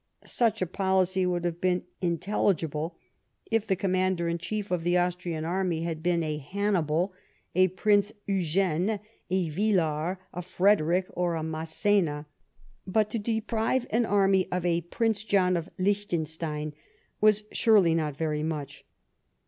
Such a policy would have been in telligible if the (Commander in Chief of the Austrian army had been a Hannibal, a Prince Eugene, a Villars, a Frederick, or a Massena ; but to deprive an army of a Prince John of Liechtenstein was surely not very much.